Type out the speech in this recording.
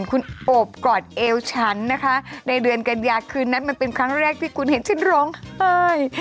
คุณโอบกอดเอวฉันนะคะในเดือนกัญญาคืนนั้นมันเป็นครั้งแรกที่คุณเห็นฉันร้องไห้